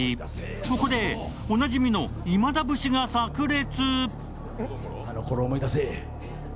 ここでおなじみの今田節がさく裂。